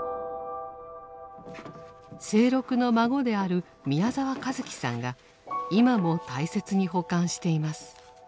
清六の孫である宮澤和樹さんが今も大切に保管しています。